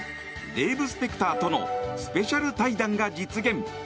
デーブ・スペクターとのスペシャル対談が実現。